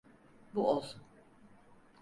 Bu olsun.